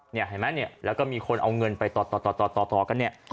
เห็นไหมเนี่ยแล้วก็มีคนเอาเงินไปต่อกันเนี่ย